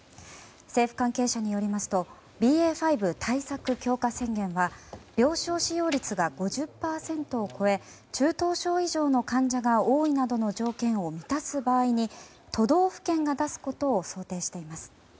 政府関係者によりますとＢＡ．５対策強化宣言は病床使用率が５０％を超え中等症以上の患者が多いなどの条件を満たす場合に都道府県が出すことを想定しています。